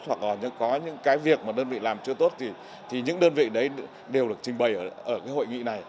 hoặc là có những cái việc mà đơn vị làm chưa tốt thì những đơn vị đấy đều được trình bày ở cái hội nghị này